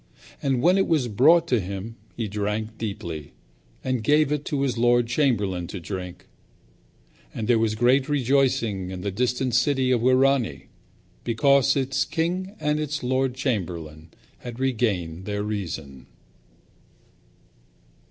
And when it was brought to him he drank deeply, and gave it to his lord chamberlain to drink. And there was great rejoicing in that distant city of Wirani, because its king and its lord chamberlain had regained their reason.